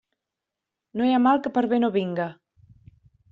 No hi ha mal que per bé no vinga.